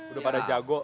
udah pada jago